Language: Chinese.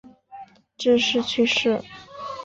致仕去世。